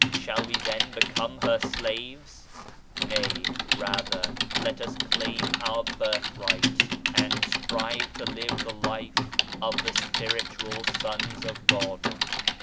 Shall we then become her slaves ? Nay, rather let us claim our birthright, and strive to live the life of the Spiritual Sons of God.